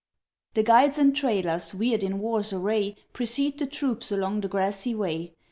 The guides and trailers, weird in war's array, Precede the troops along the grassy way.